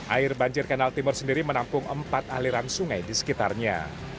air banjir kanal timur sendiri menampung empat aliran sungai di sekitarnya